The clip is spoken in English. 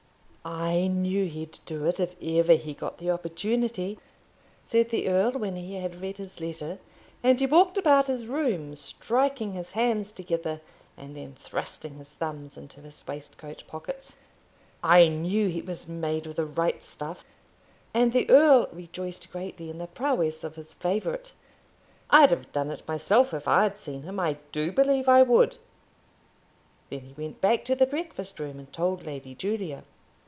"I knew he'd do it if ever he got the opportunity," said the earl when he had read his letter; and he walked about his room striking his hands together, and then thrusting his thumbs into his waistcoat pockets. "I knew he was made of the right stuff," and the earl rejoiced greatly in the prowess of his favourite. "I'd have done it myself if I'd seen him. I do believe I would." Then he went back to the breakfast room and told Lady Julia.